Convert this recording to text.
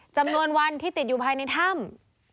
จำนวนวันที่ติดอยู่ภายในถ้ำ